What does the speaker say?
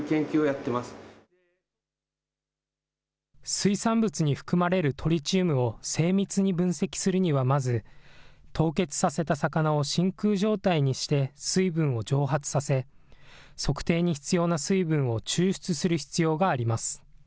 水産物に含まれるトリチウムを精密に分析するにはまず、凍結させた魚を真空状態にして水分を蒸発させ、測定に必要な水分を抽出する必要があります。